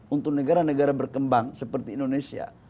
untuk negara negara berkembang seperti indonesia